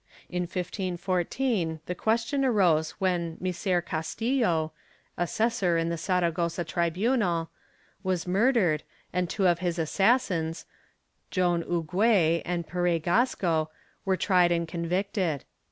In 1514 the question arose when Micer Castillo, assessor in the Saragossa tribunal, was murdered, and two of his assassins, Joan Uguet and Pere Gasco, were tried and convicted.